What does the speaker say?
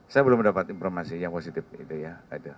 saya belum mendapat informasi yang positif itu ya